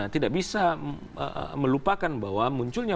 tidak bisa melupakan bahwa munculnya